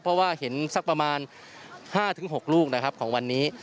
เพราะว่าเห็นสักประมาณ๕๖ลูกนะครับของวันนี้